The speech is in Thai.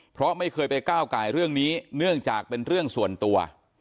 เพราะไม่เคยไปก้าวไก่เรื่องนี้เนื่องจากเป็นเรื่องส่วนตัว